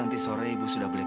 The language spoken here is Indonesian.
kalau sedikit ada kekuatan